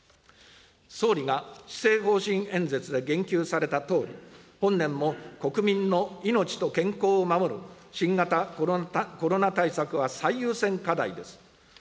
総理が施政方針演説で言及されたとおり、本年も国民の命と健康を守る新型コロナ対策は最優先課題です。